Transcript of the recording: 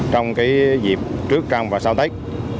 trong dịp trước trăm và sau tết